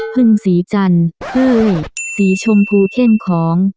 พึ่งสีจันทร์เฮ้ยสีชมพูเข้มของ